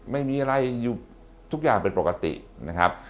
ไม่มีอะไรอยู่ทุกอย่างเป็นปกตินะครับ